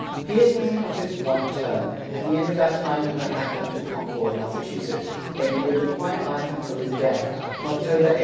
Pierce was in of fice one term; at the end of that time he went back home to Con cord, Mas sa chu setts, where he lived a qui et life un til his death, on Oc to ber 8th, 1867.